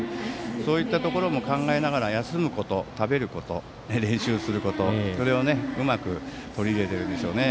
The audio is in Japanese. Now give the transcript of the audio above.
そういったところも考えながら休むこと、食べること練習すること、それをうまく取り入れているでしょうね。